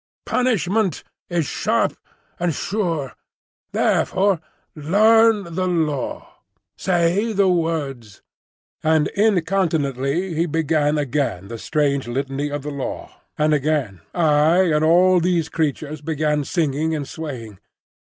"Punishment is sharp and sure. Therefore learn the Law. Say the words." And incontinently he began again the strange litany of the Law, and again I and all these creatures began singing and swaying.